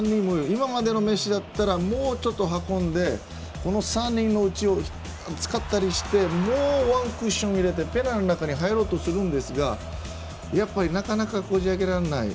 今までのメッシだったらもうちょっと運んでこの３人の内を使ったりしてもうワンクッション入れてペナルティーエリアの中に入ろうとするんですがなかなかこじあけられない。